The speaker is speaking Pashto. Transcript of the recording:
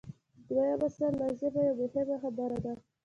د دویم اصل لازمه یوه مهمه خبره ده.